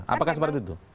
apakah seperti itu